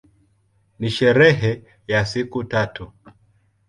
Ni sherehe ya siku tatu.